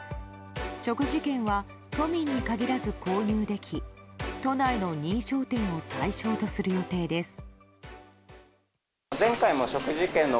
食事券は、都民に限らず購入でき都内の認証店も対象とする予定です。